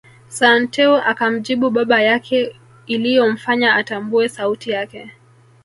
Santeu akamjibu baba yake iliyomfanya atambue sauti yake